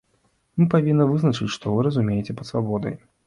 Мы павінны вызначыць, што вы разумееце пад свабодай.